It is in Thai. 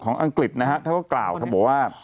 ของอังกฤษนะครับเขาก็กล่าวครับว่า